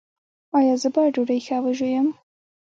ایا زه باید ډوډۍ ښه وژووم؟